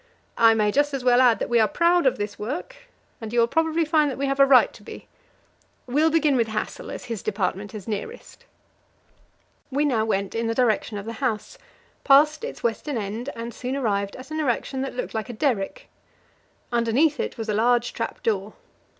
I may just as well add that we are proud of this work, and you will probably find that we have a right to be. We'll begin with Hassel, as his department is nearest." We now went in the direction of the house, passed its western end, and soon arrived at an erection that looked like a derrick. Underneath it was a large trap door.